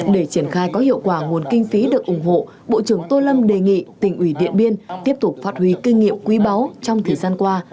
để triển khai có hiệu quả nguồn kinh phí được ủng hộ bộ trưởng tô lâm đề nghị tỉnh ủy điện biên tiếp tục phát huy kinh nghiệm quý báu trong thời gian qua